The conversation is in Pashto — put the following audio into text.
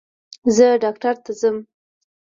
زه ډاکټر ته ځم